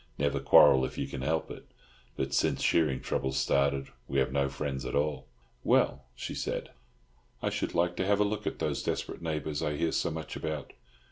Never quarrel if you can help it. But since shearing troubles started we have no friends at all." "Well," she said, "I should like to have a look at those desperate neighbours I hear so much about.